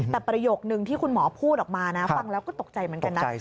แต่ประโยคนึงที่คุณหมอพูดออกมานะฟังแล้วก็ตกใจเหมือนกันนะ